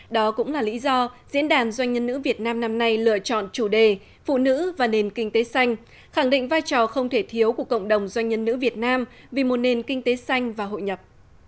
đó cũng là lý do diễn đàn doanh nhân nữ việt nam năm nay lựa chọn chủ đề phụ nữ và nền kinh tế xanh khẳng định vai trò không thể thiếu của cộng đồng doanh nhân nữ việt nam vì một nền kinh tế xanh và hội nhập